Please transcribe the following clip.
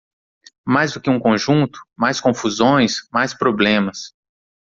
Mais do que um conjunto, mais confusões, mais problemas.